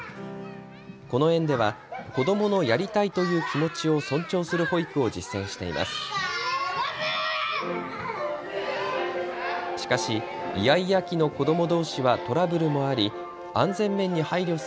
この園では子どものやりたいという気持ちを尊重する保育を実践しています。